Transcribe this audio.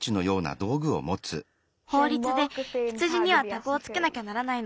ほうりつで羊にはタグをつけなきゃならないの。